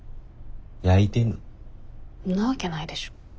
んなわけないでしょ。